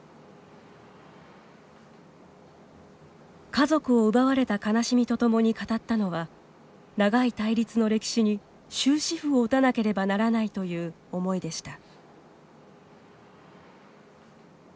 家族を奪われた悲しみとともに語ったのは長い対立の歴史に終止符を打たなければならないという思いでした。